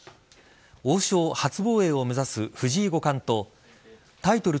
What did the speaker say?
王将初防衛を目指す藤井五冠とタイトル